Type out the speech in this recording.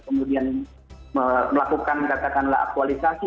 kemudian melakukan katakanlah aktualisasi